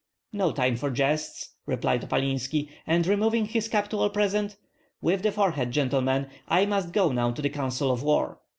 "No time for jests," replied Opalinski; and removing his cap to all present: "With the forehead, gentlemen! I must go to the council of war."